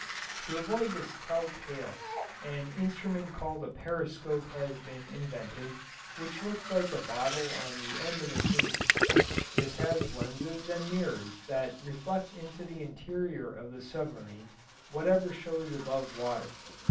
To avoid this tell tale an instrument called a periscope has been invented, which looks like a bottle on the end of a tube; this has lenses and mirrors that reflect into the interior of the submarine whatever shows above water.